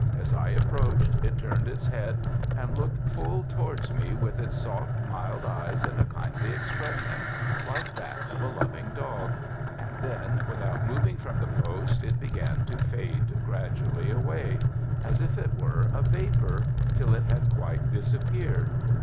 As I approached, it turned its head, and looked full towards me with its soft, mild eyes, and a kindly expression, like that of a loving dog; and then, without moving from the post, it began to fade gradually away, as if it were a vapour, till it had quite disappeared.